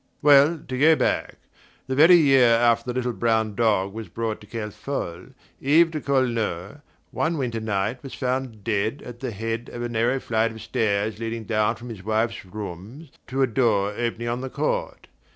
Well, to go back. The very year after the little brown dog was brought to Kerfol, Yves de Cornault, one winter night, was found dead at the head of a narrow flight of stairs leading down from his wife's rooms to a door opening on the court.